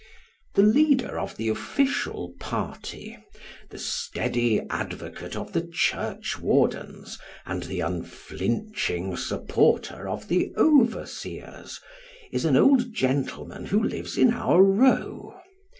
The leader of the official party the steady advocate of the church wardens, and the unflinching supporter of the overseers is an old gentleman who lives in our row.